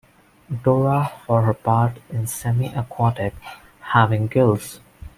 Dora for her part is semi-aquatic, having gills.